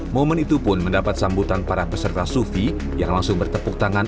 momen itu pun mendapat sambutan para peserta sufi yang langsung bertepuk tangan